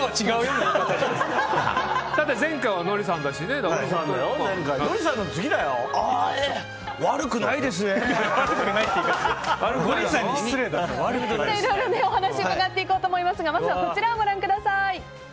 いろいろお話をうかがっていこうと思いますがまずはこちらをご覧ください。